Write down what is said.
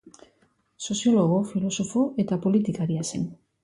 Soziologo, filosofo eta politikaria zen.